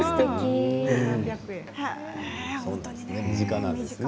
身近なんですね。